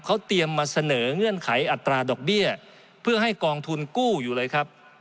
เขาเตรียมมาเสนอเงื่อนไขอัตราดอกเบี้ยเพื่อให้กองทุนกู้อยู่เลยครับ